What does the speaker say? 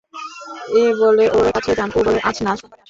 এ বলে ওর কাছে যান, ও বলে আজ না, সোমবারে আসুন।